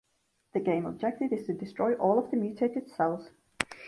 The game objective is to destroy all of the mutated cells.